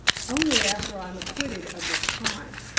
"Only after I'm acquitted of this crime.